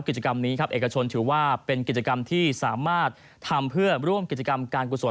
กิจกรรมนี้ครับเอกชนถือว่าเป็นกิจกรรมที่สามารถทำเพื่อร่วมกิจกรรมการกุศล